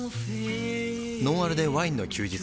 「ノンアルでワインの休日」